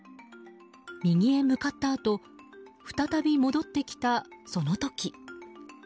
右へ向かったあと再び戻ってきたその時。